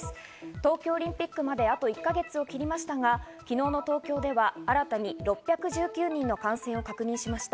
東京オリンピックまであと１か月を切りましたが、昨日の東京では新たに６１９人の感染を確認しました。